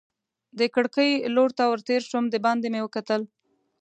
د کړکۍ لور ته ور تېر شوم، دباندې مې وکتل.